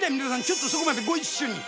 ちょっとそこまでご一緒に。